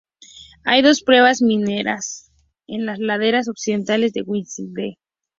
Hay dos pruebas mineras en las laderas occidentales de Whiteside.